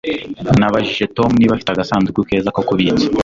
Nabajije Tom niba afite agasanduku keza ko kubitsa